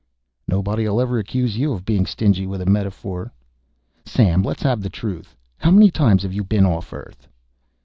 "Nobody'll ever accuse you of being stingy with a metaphor." "Sam, let's have the truth. How many times have you been off Earth?"